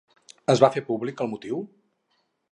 Es va fer públic el motiu?